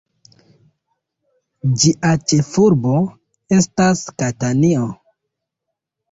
Ĝia ĉefurbo estas Katanio.